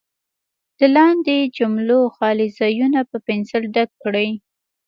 د لاندې جملو خالي ځایونه په پنسل ډک کړئ.